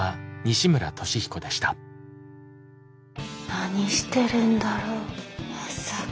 何してるんだろうまさか。